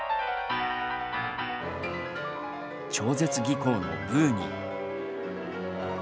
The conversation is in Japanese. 超絶技巧の、ブーニン。